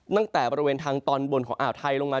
ตั้งแต่บริเวณทางตอนบนของอ่าวไทยลงมา